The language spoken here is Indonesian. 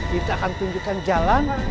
kita akan tunjukkan jalan